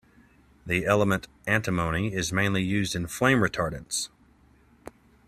The element antimony is mainly used in flame retardants.